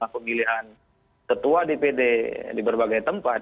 pemilihan ketua dpd di berbagai tempat